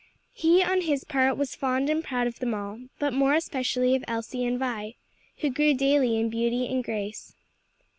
He, on his part was fond and proud of them all, but more especially of Elsie and Vi, who grew daily in beauty and grace.